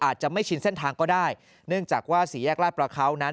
อาจจะไม่ชินเส้นทางก็ได้เนื่องจากว่าสี่แยกลาดประเขานั้น